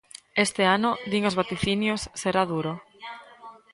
Este ano, din os vaticinios, será duro.